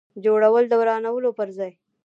جوړول د ورانولو پر ځای.